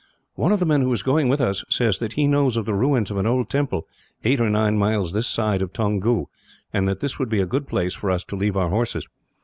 "One of the men who is going with us says that he knows of the ruins of an old temple, eight or nine miles this side of Toungoo; and that this would be a good place for us to leave our horses.